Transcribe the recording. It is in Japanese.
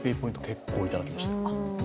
結構いただきました。